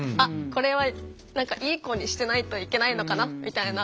これは何かいい子にしてないといけないのかなみたいな。